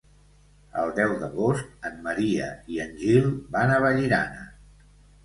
El deu d'agost en Maria i en Gil van a Vallirana.